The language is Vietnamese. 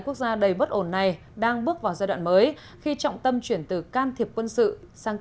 quốc gia đầy bất ổn này đang bước vào giai đoạn mới khi trọng tâm chuyển từ can thiệp quân sự sang